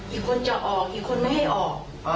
อีกคนจะออกอีกคนไม่ให้ออก